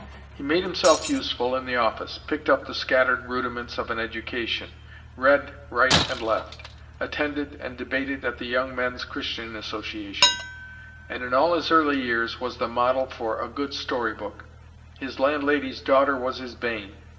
He made himself useful in the office; picked up the scattered rudiments of an education; read right and left; attended and debated at the Young Men's Christian Association; and in all his early years, was the model for a good story book. His landlady's daughter was his bane.